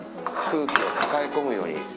空気を抱え込むように。